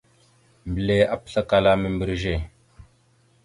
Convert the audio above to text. Mbelle apəslakala membreze.